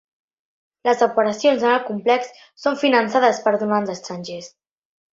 Les operacions en el complex són finançades per donants estrangers.